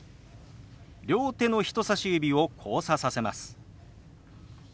両手の人さし指を交差させます。